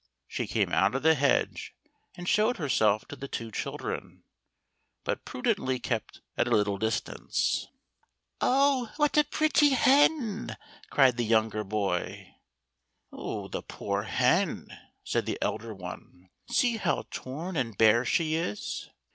She came out of the hedge, and showed her self to the two children, but prudently kept at a little distance. " Oh ! what a pretty hen !" cried the younger boy. " The poor hen," said the elder one, " see how torn and bare she is."